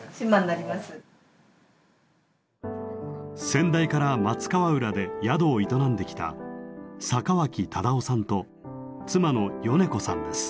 先代から松川浦で宿を営んできた坂脇忠雄さんと妻の米子さんです。